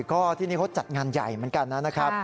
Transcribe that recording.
ก็ที่นี่เขาจัดงานใหญ่เหมือนกันนะครับ